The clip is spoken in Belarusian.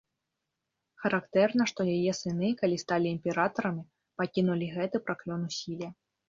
Характэрна, што яе сыны, калі сталі імператарамі, пакінулі гэты праклён у сіле.